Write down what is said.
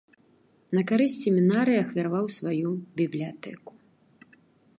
На карысць семінарыі ахвяраваў сваю бібліятэку.